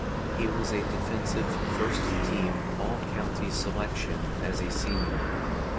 He was a defensive first-team All-County selection as a senior.